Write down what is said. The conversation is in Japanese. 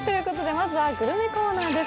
まずはグルメコーナーです。